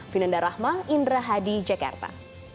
vinanda rahma indra hadi jakarta